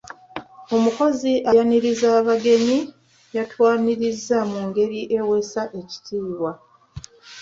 Omukozi ayaniriza abagenyi yatwanirizza mu ngeri eweesa ekitiibwa.